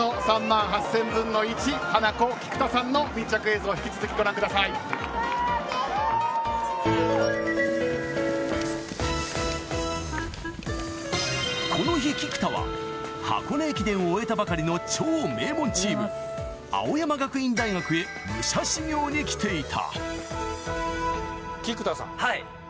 ３万８０００分の１のハナコ菊田さんの密着映像をこの日、菊田は箱根駅伝を終えたばかりの超名門チーム青山学院大学へ武者修行に来ていた。